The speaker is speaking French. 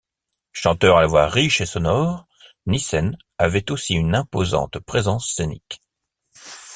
Chanteur à la voix riche et sonore, Nissen avait aussi une imposante présence scènique.